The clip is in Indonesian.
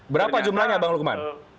berapa jumlahnya bang lukman